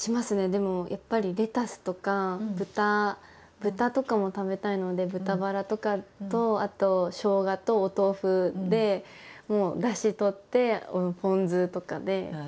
でもやっぱりレタスとか豚とかも食べたいので豚バラとかとあとしょうがとお豆腐でもうだし取ってポン酢とかで。